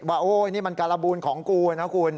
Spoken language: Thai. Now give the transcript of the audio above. ว่าโอ๊ยนี่มันการบูลของกูนะครับคุณ